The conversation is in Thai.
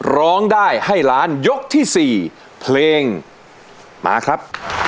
ร้องได้ให้ล้านยกที่๔เพลงมาครับ